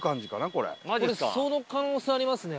これその可能性ありますね。